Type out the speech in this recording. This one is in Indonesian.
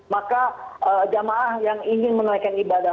maka jemaah yang ingin menaikan ibadah